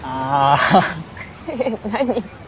何？